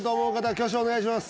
挙手お願いします